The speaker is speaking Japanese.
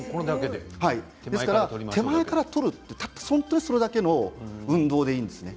ですから手前から取る、たったそれだけの運動でいいんです。